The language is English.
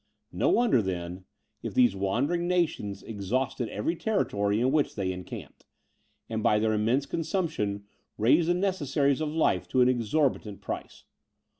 No wonder, then, if these wandering nations exhausted every territory in which they encamped, and by their immense consumption raised the necessaries of life to an exorbitant price.